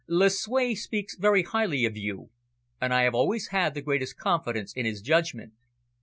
"Lucue speaks very highly of you, and I have always had the greatest confidence in his judgment.